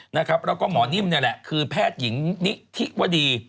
แล้วก็หมอนิ่มนี่แหละคือแพทย์หญิงนิธิวดี